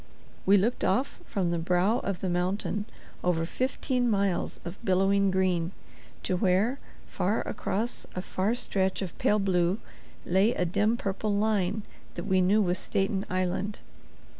We looked off from the brow of the mountain over fifteen miles of billowing green, to where, far across a far stretch of pale blue lay a dim purple line that we knew was Staten Island.